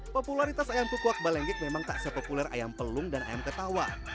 popularitas ayam tukuak balenggik memang tak sepopuler ayam pelung dan ayam ketawa